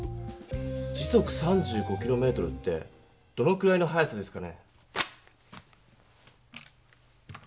時速３５キロメートルってどのくらいの速さですかね？